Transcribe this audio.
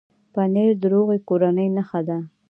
پنېر د روغې کورنۍ نښه ده.